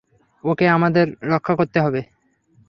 ওকে আমাদের রক্ষা করতে হবে।